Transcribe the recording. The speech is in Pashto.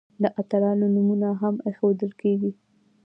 د اتلانو نومونه هم ایښودل کیږي.